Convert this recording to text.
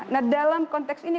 nah dalam konteks ini